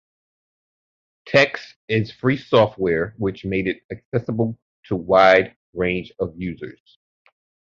TeX is free software, which made it accessible to a wide range of users.